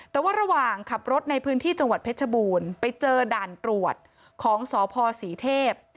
แต่ว่าระหว่างขับรถในพื้นที่จังหวัดเพชรบูรณ์ไปเจอด่านตรวจของสพศรีเทพ